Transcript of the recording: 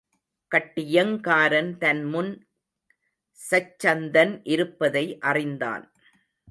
கட்டியங்காரன் தன் முன் சச்சந்தன் இருப்பதை அறிந்தான்.